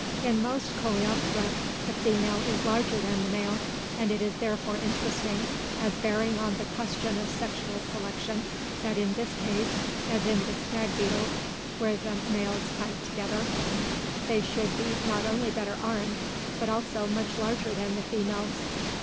In most Coleoptera the female is larger than the male, and it is therefore interesting, as bearing on the question of sexual selection, that in this case, as in the stag beetles where the males fight together, they should be not only better armed, but also much larger than the females.